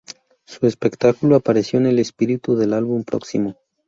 Su espectáculo apareció en el espíritu del álbum próximo.